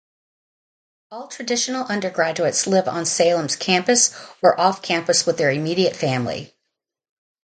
All "traditional" undergraduates live on Salem's campus or off-campus with their immediate family.